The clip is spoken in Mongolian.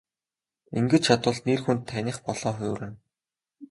Ингэж чадвал нэр хүнд таных болон хувирна.